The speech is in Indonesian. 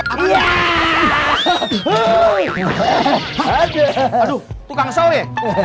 aduh tukang sore